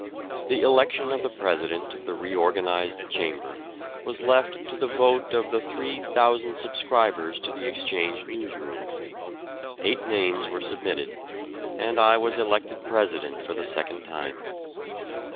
The election of the president of the re organised chamber was left to the vote of the three thousand subscribers to the Exchange News Room. Eight names were submitted, and I was elected president for the second time.